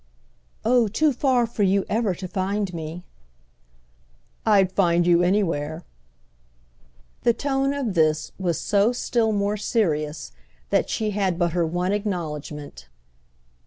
"Oh too far for you ever to find me!" "I'd find you anywhere." The tone of this was so still more serious that she had but her one acknowledgement.